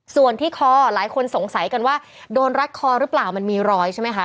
ส่วนที่คอหลายคนสงสัยกันว่าโดนรัดคอหรือเปล่ามันมีรอยใช่ไหมคะ